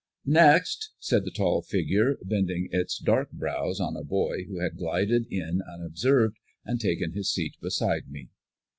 "Next!" said the tall figure, bending its dark brows on a boy who had glided in unobserved and taken his seat beside me.